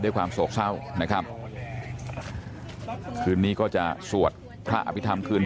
โศกเศร้านะครับคืนนี้ก็จะสวดพระอภิษฐรรมคืน